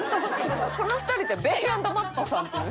この２人ってベン＆マットさんっていうん？